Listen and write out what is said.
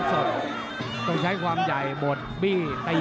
โหดแก้งขวาโหดแก้งขวา